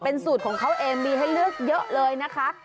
สูตรของเขาเองมีให้เลือกเยอะเลยนะคะ